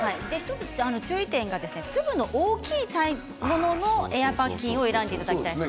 １つ注意点が粒の大きいもののエアパッキンを選んでいただきたいです。